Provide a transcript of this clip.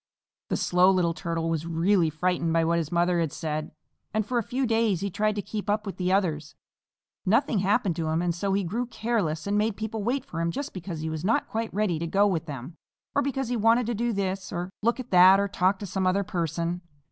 The Slow Little Turtle was really frightened by what his mother had said, and for a few days he tried to keep up with the others. Nothing happened to him, and so he grew careless and made people wait for him just because he was not quite ready to go with them, or because he wanted to do this or look at that or talk to some other person.